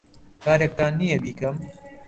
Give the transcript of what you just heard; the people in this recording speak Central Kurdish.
کارێکتان نییە بیکەم؟